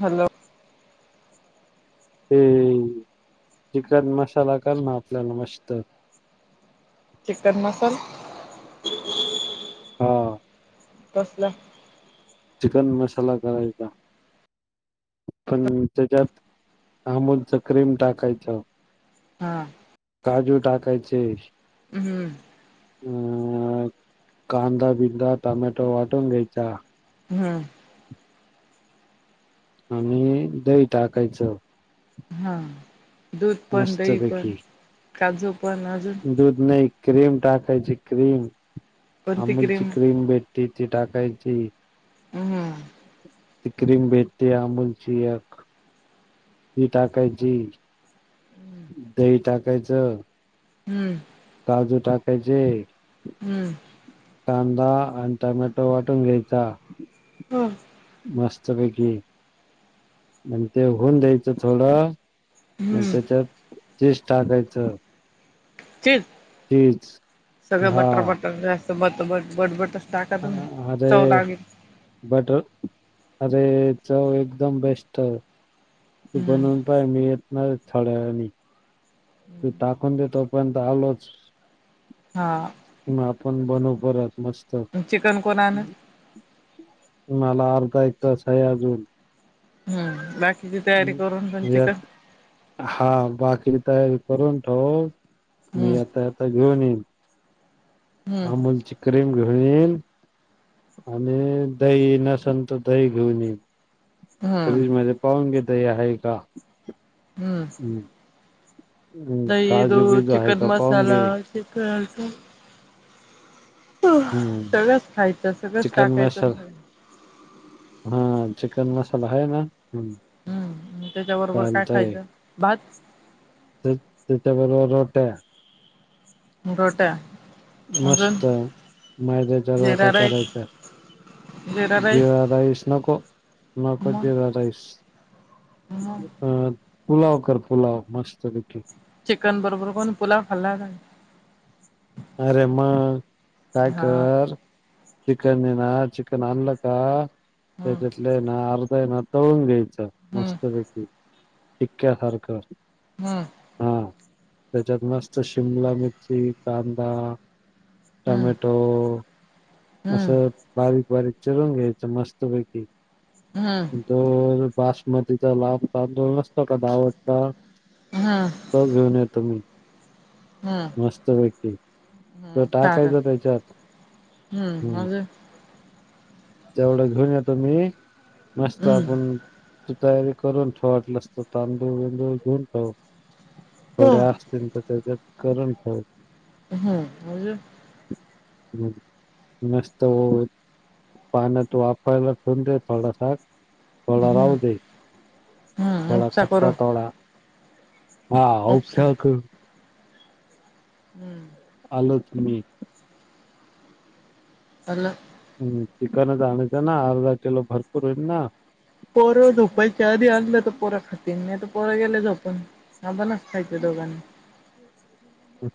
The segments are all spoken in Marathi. हलो ते चिकन मसाला काल ना आपल्याला मस्त चिकन मसाल हा कसला चिकन मसााला करायचा. पण त्याच्यात आमुलचा क्रीम टाकायचं. हा. काजू टाकायचे हम्म मग कांदा बिंदा टमॅटो वाटून घ्यायचा. हम्म! आम्ही दही टाकायचं. हा दूध पण, दही पण, मस्तपैकी काजू पण, अजून दूध नाही क्रीम टाकायची क्रीम अमूलची क्रीम भेट ती ती टाकायची. हं हम. ती क्रीम भेटते अमूलची एक. ती टाकायची, दही टाकायचं, हं. काजू टाकायचे, हंम. कांदा आणि टोमॅटो वाटून घ्यायचा. ह मस्तपैकी. आणि ते होऊन द्यायचं थोडं. मग हम्म त्याच्यात चीज टाकायचं. चीज चीज सगळ हा बटर मटर जास्त मटमट बटबट हा आरे! बटर अरे चव एकदम बेस्ट. तू हम्म बनवून पाय मी येणार थोड्या वेळानी. तू टाकून दे तोपर्यंत आलोच. हां. मग आपण बनवु परत मस्त. चिकन कोण आण मला अर्धा एक तास आहे अजून. बाकी हा बाकीची तयारी करून ठोव. मी हम्म येता येता घेऊन येईन. हम्म अमुल ची क्रीम घेऊन येईल आणि दही नसल तर दही घेऊन येईल. हम्म फ्रीजमध्ये पाहून घे दही आहे का? हंम. हम्म हम्म, दही, काजू दुध, बिजू आहे चिकन का पाहून मसाला, घे चिकन हो हम्म सगळंच खायचं सगळंच चिकन टाकायचं मसाला सगळं. हा चिकन मसाला आहे ना? हं. हं त्याच्याबरोबर काय खायचं भात? त्याच्या बरोबर रोट्या. रोट्या. अजून मस्त मैद्याच्या रोट्या जिरा राईस करायच्या. जिरा राईस नको, नको मग जिरा राईस. मग अ पुलाव कर पुलाव मस्त पैकी. चिकन बरोबर कोण पुलाव खाल्ला का? अरे मग काय हा कर चिकन येना चिकन आणलं का हम्म त्याच्यातल ना अर्धा तळुन घ्यायचं. हम्म मस्त पैकी टिक्या सारखं. हां. हा त्याच्यात मस्त शिमला मिरची, कांदा, हम्म टमॅटो हम्म असं... बारीक बारीक चिरुन घ्यायचं मस्त पैकी हूं. दोन बासमतीचा लांब तांदुळ नसतो का दावतचा हा. तो घेऊन येतो मी. हम्म मस्तपैकी... तो हम्म चालेल टाकायचा त्याच्यात हम्म... अजून तेवढा घेऊन येतो मी... मस्त हम्म आपण तू तयारी करून ठेव वाटलस तर... तांदूळ बिंदूळ धुवून ठेव... हो थोडे अस त्याच्यात करून ठेव. हम्म... अजून? मग. मस्त ओत... पाण्यात वाफायला ठेवून दे थोडासा थोडा हम्म राहू दे... हम्म थोडा उपसा कच्चा करून थोडा हा उपसा उपचार कर हम्म. आलोच मी. आलं. हहूं... चिकनच आणायचं ना... अर्धा किलो... भरपूर होईल ना? पोरं झोपायच्या आधी आणलं तर पोरं खातील.. नाही तर पोरं गेले झोपून आपणच खायचं दोघांनी.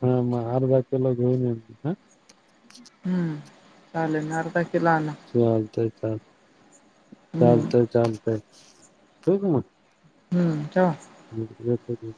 हा... मग अर्धा किलो घेऊन येईल... हा हम्म... चालन.... अर्धा किलो आणा. चालतंय, चालतंय... हम्म चालतंय.... चालतंय ठेवू का मग? हम्म ठेवा. हम्म... येतो घेऊन.